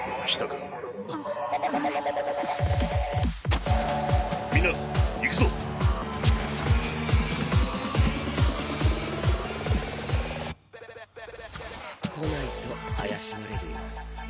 来ないと怪しまれるよ。